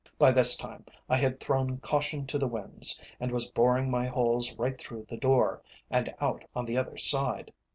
By this time I had thrown caution to the winds, and was boring my holes right through the door, and out on the other side.